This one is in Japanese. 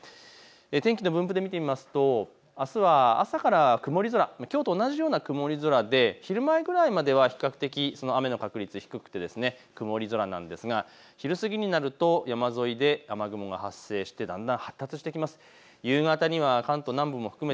天気の分布で見てみますと、あすは朝から曇り空、きょうと同じような曇り空で昼前くらいまでは比較的、雨の確率が低くて曇り空なんですが昼過ぎになると山沿いで雨雲がだんだん発達してきます。